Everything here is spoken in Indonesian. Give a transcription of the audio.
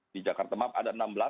di jakarta map ada enam belas